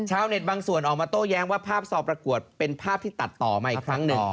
บางส่วนออกมาโต้แย้งว่าภาพซอประกวดเป็นภาพที่ตัดต่อมาอีกครั้งหนึ่ง